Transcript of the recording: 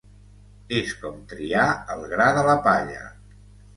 És com triar el gra de la palla.